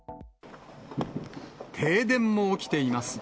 停電も起きています。